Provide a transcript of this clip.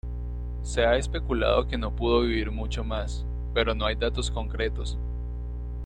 Se ha especulado que no pudo vivir mucho más, pero no hay datos concretos.